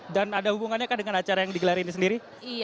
dan ada hubungannya kan dengan acara yang digelar ini sendiri